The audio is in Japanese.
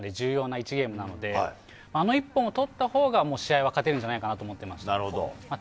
１ゲームなのであの１本をとったほうが試合は勝てるんじゃないかと思ってました。